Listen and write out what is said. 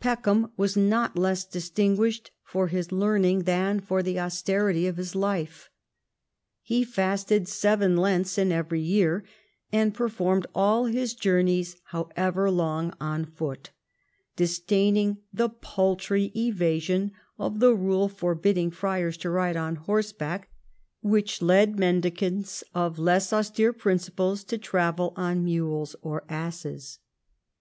Peckham was not less distinguished for his learning than for the austerity of his life. He fasted seven Lents in every year, and performed all his journeys, however long, on foot, disdaining the paltry evasion of the rule forbidding friars to ride on horseback, which led Mendicants of less austere principles to travel on mules or asses.